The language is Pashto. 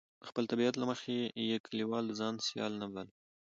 د خپل طبیعت له مخې یې کلیوال د ځان سیال نه باله.